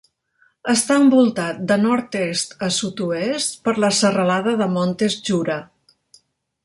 Està envoltat de nord-est a sud-oest per la serralada de Montes Jura.